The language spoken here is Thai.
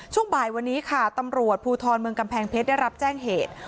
ช่วงบ่ายวันนี้ค่ะตำรวจภูทรเมืองกำแพงเพชรได้รับแจ้งเหตุ